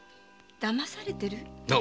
だまされてる？